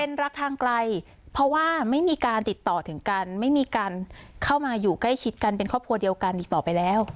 เป็นรักทางไกลเพราะว่าไม่มีการติดต่อถึงกันไม่มีการเข้ามาอยู่ใกล้ชิดกันเป็นครอบครัวเดียวกันอีกต่อไปแล้ว